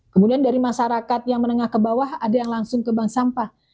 kemudian dari masyarakat yang menengah ke bawah ada yang langsung ke bank sampah